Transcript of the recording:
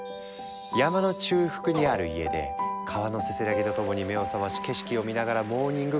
山の中腹にある家で川のせせらぎとともに目を覚まし景色を見ながらモーニングコーヒー。